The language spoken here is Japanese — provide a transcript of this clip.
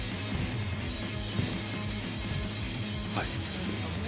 はい。